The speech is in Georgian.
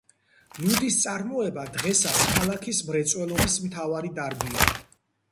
ლუდის წარმოება დღესაც ქალაქის მრეწველობის მთავარი დარგია.